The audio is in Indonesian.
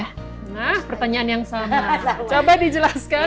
nah pertanyaan yang sama coba dijelaskan